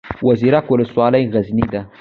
زیروک ولسوالۍ غرنۍ ده؟